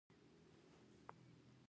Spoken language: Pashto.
درې شپیتم سوال د قرارداد شرایط دي.